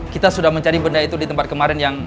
kita sudah mencari benda itu di tempat kemarin yang